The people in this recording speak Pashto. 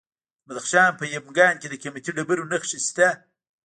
د بدخشان په یمګان کې د قیمتي ډبرو نښې دي.